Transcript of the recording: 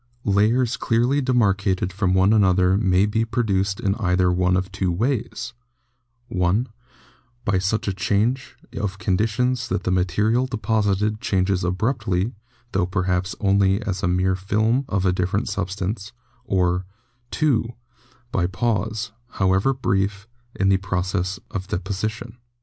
Layers clearly demar cated from one another may be produced in either one of two ways: (i) By such a change of conditions that the material deposited changes abruptly, tho perhaps only as a mere film of a different substance; or (2) by a pause, however brief, in the process of deposition.